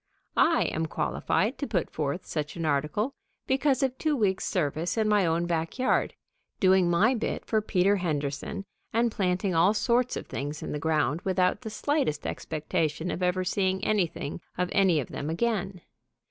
I am qualified to put forth such an article because of two weeks' service in my own back yard, doing my bit for Peter Henderson and planting all sorts of things in the ground without the slightest expectation of ever seeing anything of any of them again.